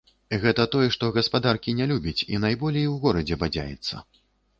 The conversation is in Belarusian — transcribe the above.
Гэта той, што гаспадаркі не любіць і найболей у горадзе бадзяецца.